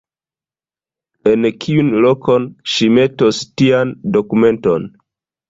En kiun lokon ŝi metos tian dokumenton?